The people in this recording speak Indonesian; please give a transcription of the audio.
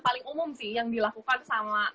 paling umum sih yang dilakukan sama